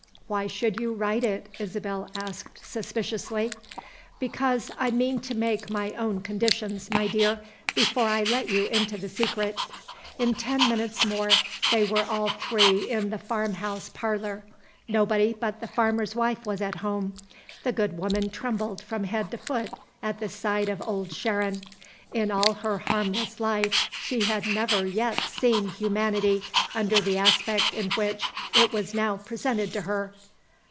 "Why should you write it?" Isabel asked suspiciously. "Because I mean to make my own conditions, my dear, before I let you into the secret." In ten minutes more they were all three in the farmhouse parlor. Nobody but the farmer's wife was at home. The good woman trembled from head to foot at the sight of Old Sharon. In all her harmless life she had never yet seen humanity under the aspect in which it was now presented to her.